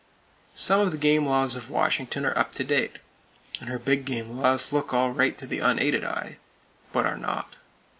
Some of the game laws of Washington are up to date; and her big game laws look all right to the unaided eye, but are not.